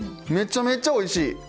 めちゃめちゃおいしい！